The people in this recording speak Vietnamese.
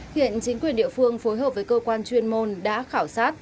hiện chính quyền địa phương phối hợp với cơ quan chuyên môn đã khảo sát